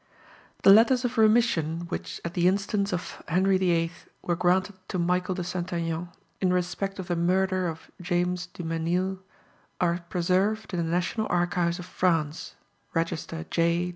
The letters of remission which at the instance of Henry VIII. were granted to Michael de St. Aignan in respect of the murder of James du Mesnil are preserved in the National Archives of France (Register J.